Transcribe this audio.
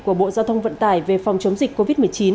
của bộ giao thông vận tải về phòng chống dịch covid một mươi chín